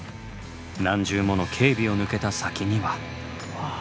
何重もの警備を抜けた先には。